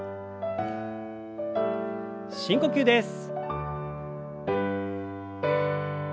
深呼吸です。